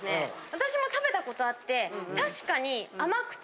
私も食べたことあって確かに。